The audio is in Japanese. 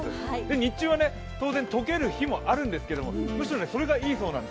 日中は当然、解ける日もあるそうなんですけれども、むしろそれがいいそうなんです。